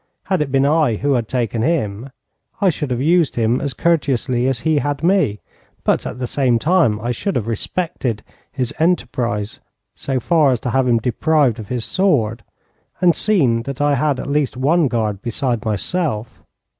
Had it been I who had taken him, I should have used him as courteously as he had me, but, at the same time, I should have respected his enterprise so far as to have deprived him of his sword, and seen that I had at least one guard beside myself.